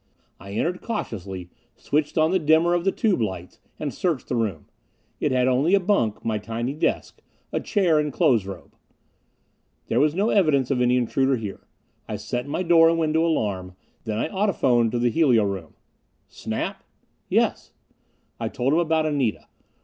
I entered cautiously, switched on the dimmer of the tube lights, and searched the room. It had only a bunk, my tiny desk, a chair and clothes robe. There was no evidence of any intruder here. I set my door and window alarm. Then I audiphoned to the helio room. "Snap?" "Yes." I told him about Anita.